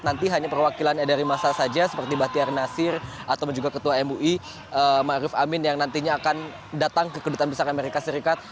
nanti hanya perwakilannya dari massa saja seperti bahtiyar nasir atau juga ketua mui ma'rif amin yang nantinya akan datang ke kedutaan besar amerika serikat